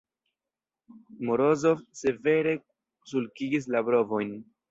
Morozov severe sulkigis la brovojn.